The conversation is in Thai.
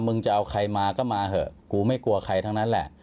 มึงจะเอาใครมาก็มาเถอะกูไม่กลัวใครทั้งนั้นแหละ